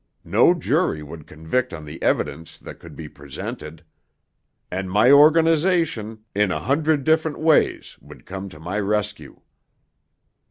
No jury would convict on the evidence that could be presented. And my organization, in a hundred different ways, would come to my rescue."